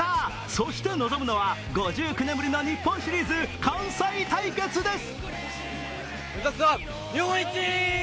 そして望むのは５９年ぶりの日本シリーズ関西対決です。